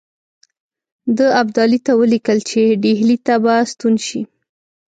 ده ابدالي ته ولیکل چې ډهلي ته به ستون شي.